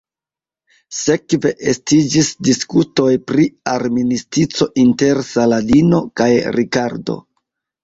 Sekve estiĝis diskutoj pri armistico inter Saladino kaj Rikardo.